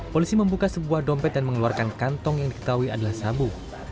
polisi membuka sebuah dompet dan mengeluarkan kantong yang diketahui adalah sabu